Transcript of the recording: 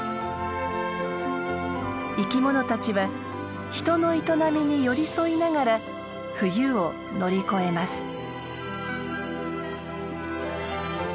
生きものたちは人の営みに寄り添いながら冬を乗り越えます。